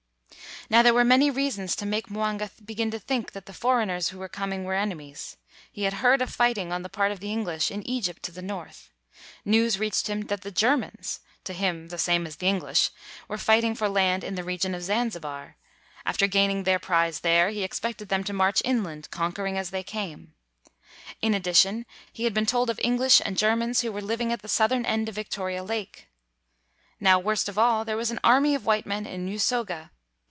Now, there were many reasons to make Mwanga begin to think that the foreigners who were coming were enemies. He had heard of fighting on the part of the English in Egypt to the north. News reached him that the Germans (to him the same as the English), were fighting for land in the region of Zanzibar; after gaining their prize there, he expected them to march in land, conquering as they came. In addi tion, he had been told of English and Ger mans who were living at the southern end of Victoria Lake. Now, worst of all, there was an army of white men in Usoga.